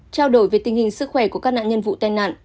trao đổi về tình hình sức khỏe của các nạn nhân vụ tai nạn